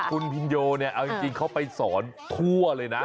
คุณพินโยเนี่ยเอาจริงเขาไปสอนทั่วเลยนะ